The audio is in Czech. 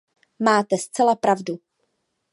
Máte zcela pravdu.